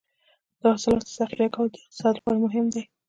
د حاصلاتو ذخیره کول د اقتصاد لپاره مهم دي.